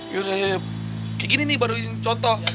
yaudah ya kayak gini nih baru contoh